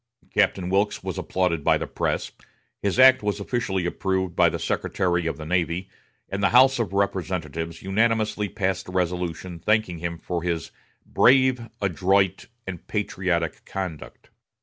Captain Wilkes was applauded by the press; his act was officially approved by the Secretary of the Navy, and the House of Representatives unanimously passed a resolution thanking him for his "brave, adroit, and patriotic conduct."